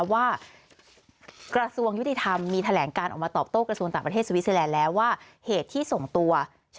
ว่ากระทรวงยุติธรรมมีแถลงการออกมาตอบโต้กระทรวงต่างประเทศสวิสเซอลานด์แล้ว